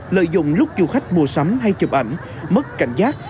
lợi dụng lúc du khách mua sắm hay chụp ảnh mất cảnh giác